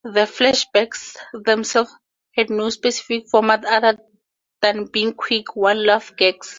The flashbacks themselves had no specific format other than being quick, one laugh gags.